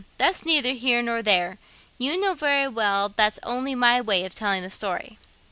that's neither here nor there; you know very well that's only my way of telling the story.'